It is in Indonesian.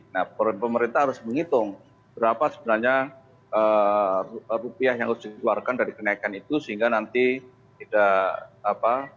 nah pemerintah harus menghitung berapa sebenarnya rupiah yang harus dikeluarkan dari kenaikan itu sehingga nanti tidak apa